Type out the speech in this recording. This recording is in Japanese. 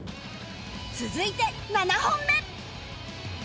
続いて７本目